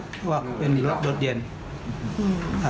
เพราะว่าเป็นรถดรถเย็นถังตี